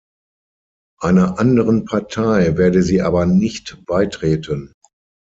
Einer anderen Partei werde sie aber nicht beitreten.